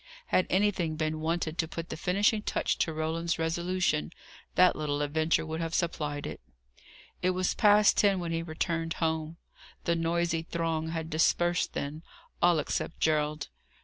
Had anything been wanted to put the finishing touch to Roland's resolution, that little adventure would have supplied it. It was past ten when he returned home. The noisy throng had dispersed then, all except Gerald.